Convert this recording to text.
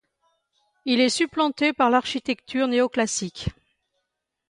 Il est supplanté par l’architecture néoclassique.